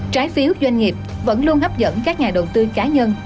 trái phiếu doanh nghiệp vẫn luôn hấp dẫn các nhà đầu tư cá nhân